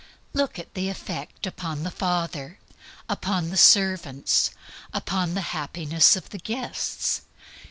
Look at the effect upon the father, upon the servants, upon the happiness of the guests.